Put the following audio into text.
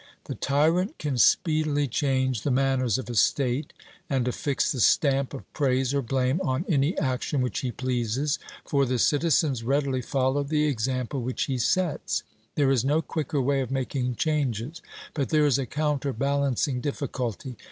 The tyrant can speedily change the manners of a state, and affix the stamp of praise or blame on any action which he pleases; for the citizens readily follow the example which he sets. There is no quicker way of making changes; but there is a counterbalancing difficulty.